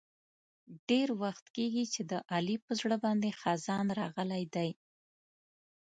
ډېر وخت کېږي چې د علي په زړه باندې خزان راغلی دی.